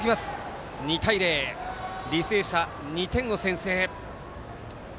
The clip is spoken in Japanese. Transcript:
２対０、履正社２点を先制。